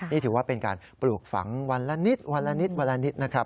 นี่ถือว่าเป็นการปลูกฝังวันละนิดวันละนิดวันละนิดนะครับ